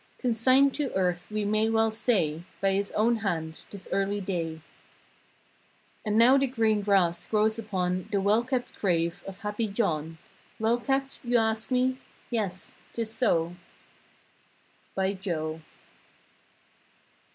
Consigned to Earth we well may say By his own hand, this early day. m * And now the green grass grows upon The well kept grave of "Happy John"— Well kept, you ask me? Yes—'tis so— By Joe.